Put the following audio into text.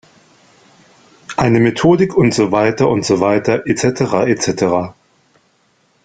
Eine Methodik und so weiter und so weiter, et cetera, et cetera.